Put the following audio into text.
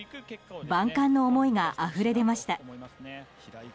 万感の思いがあふれ出ました。